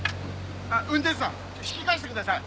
運転手さん引き返してください。